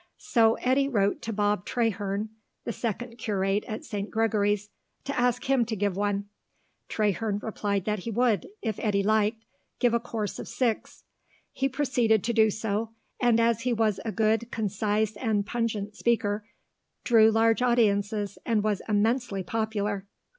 So Eddy wrote to Bob Traherne, the second curate at St. Gregory's, to ask him to give one. Traherne replied that he would, if Eddy liked, give a course of six. He proceeded to do so, and as he was a good, concise, and pungent speaker, drew large audiences and was immensely popular.